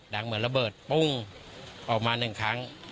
เหมือนระเบิดปุ้งออกมาหนึ่งครั้ง